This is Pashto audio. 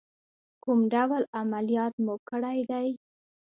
کوم ډول عملیات مو کړی دی؟